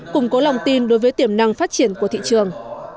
củng cố lòng tin đối với tiềm năng phát triển của thị trường